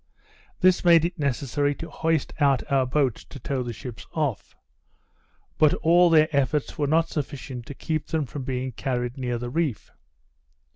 This made it necessary to hoist out our boats to tow the ships off; but all their efforts were not sufficient to keep them from being carried near the reef.